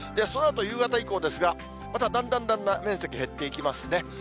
そのあと夕方以降ですが、まただんだんだんだん面積減っていきますね。